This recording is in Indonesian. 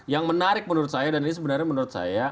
yang menarik menurut saya dan ini sebenarnya menurut saya